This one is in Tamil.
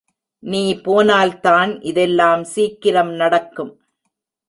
நீ போனால்தான் இதெல்லாம் சீக்கிரம் நடக்கும்.